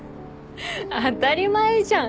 当たり前じゃん。